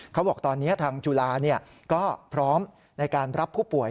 เขาบอกตอนนี้ทางจุฬาก็พร้อมในการรับผู้ป่วย